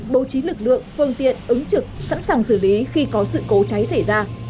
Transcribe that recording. bố trí lực lượng phương tiện ứng trực sẵn sàng xử lý khi có sự cố cháy xảy ra